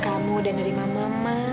kamu udah nerima mama